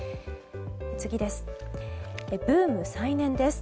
次です。